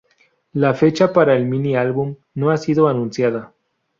La fecha para el mini-álbum no ha sido anunciada.